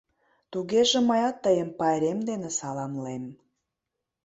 Тугеже мыят тыйым пайрем дене саламлем!